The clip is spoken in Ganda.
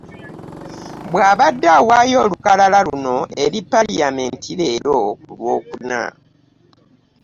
Bw'abadde awaayo olukalala luno eri Palamenti leero ku Lwokuna